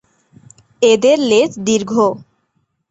এদের লেজ দীর্ঘ।